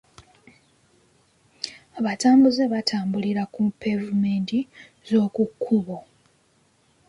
Abatambuze batambulira ku pevumenti z'oku kkubo.